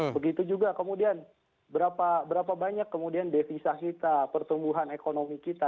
begitu juga kemudian berapa banyak kemudian devisa kita pertumbuhan ekonomi kita